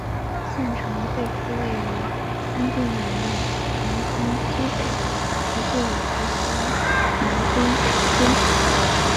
县城最初位于安定里木连村溪北徙治五狮山南今址。